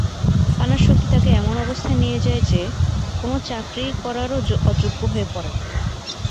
পানাসক্তি তাঁকে এমন অবস্থায় নিয়ে যায় যে, কোনো চাকরি করারও অযোগ্য হয়ে পড়েন।